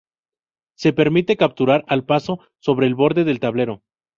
Se permite capturar "al paso" sobre el borde del tablero.